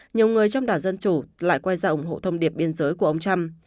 nhiều người trong đảng dân chủ lại quay ra ủng hộ thông điệp biên giới của ông trump